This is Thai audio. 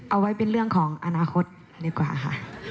เอาไว้เป็นเรื่องของอนาคตดีกว่าค่ะ